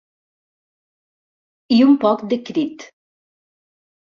I un poc de crit.